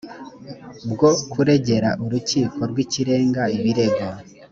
bwo kuregera urukiko rw ikirenga ibirego